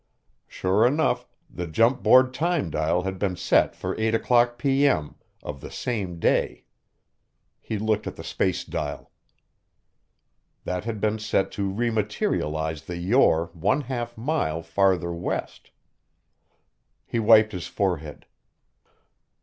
Sure enough, the jump board time dial had been set for 8:00 p.m. of the same day. He looked at the space dial. That had been set to re materialize the Yore one half mile farther west. He wiped his forehead.